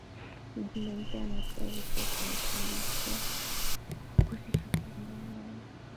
Mjumbe mpya anatoa wito wa kurekebishwa kikosi cha kulinda amani